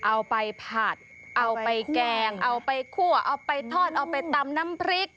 เอาไปผัดเอาไปแกงเอาไปคั่วเอาไปทอดเอาไปตำน้ำพริก